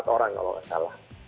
empat orang kalau nggak salah